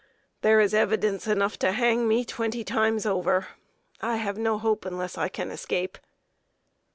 There is evidence enough to hang me twenty times over. I have no hope unless I can escape."